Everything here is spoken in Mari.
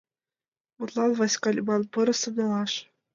Мутлан, Васька лӱман пырысым налаш...